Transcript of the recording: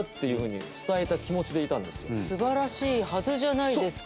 素晴らしいはずじゃないですか。